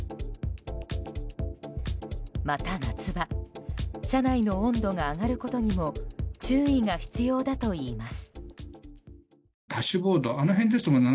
また、夏場車内の温度が上がることにも注意が必要だといいます。